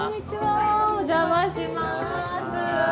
お邪魔します。